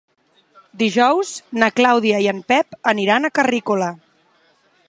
Dijous na Clàudia i en Pep aniran a Carrícola.